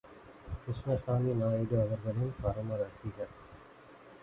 கிருஷ்ணசாமி நாயுடு அவர்கள் பரம ரசிகர்.